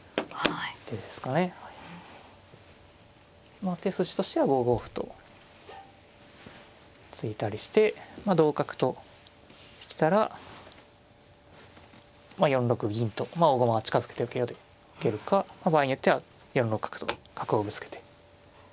まあ手筋としては５五歩と突いたりして同角と来たら４六銀と「大駒は近づけて受けよ」で受けるか場合によっては４六角と角をぶつけて。